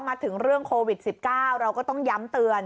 มาถึงเรื่องโควิด๑๙เราก็ต้องย้ำเตือน